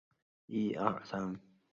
词作者宋志刚来自河南省郑州市。